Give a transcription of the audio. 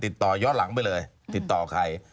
ติดต่อย้อนหลังไปเลยติดต่อใคร